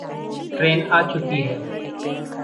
Train आ चुकी है।